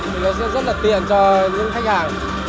thì nó sẽ rất là tiện cho những khách hàng